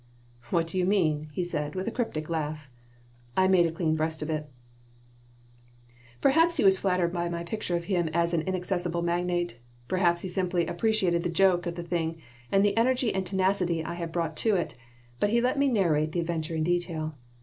"What do you mean?" he said, with a cryptic laugh I made a clean breast of it Perhaps he was flattered by my picture of him as an inaccessible magnate; perhaps he simply appreciated the joke of the thing and the energy and tenacity I had brought to it, but he let me narrate the adventure in detail.